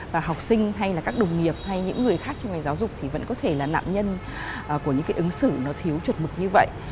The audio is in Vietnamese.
và học sinh hay là các đồng nghiệp hay những người khác trong ngành giáo dục thì vẫn có thể là nạn nhân của những cái ứng xử nó thiếu chuẩn mực như vậy